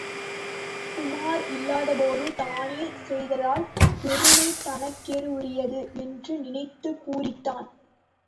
உமார் இல்லாதபோது தானே செய்ததால், பெருமை தனக்கேயுரியது என்று நினைத்துப் பூரித்தான்.